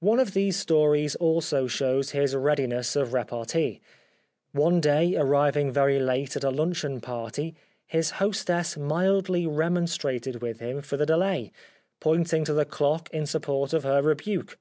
One of these stories also shows his readiness of repartee. One day arriving very late at a luncheon party his hostess mildly remonstrated with him for the delay, pointing to the clock in support of her rebuke.